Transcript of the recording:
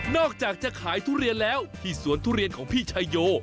อกจากจะขายทุเรียนแล้วที่สวนทุเรียนของพี่ชายโย